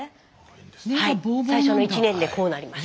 最初の１年でこうなります。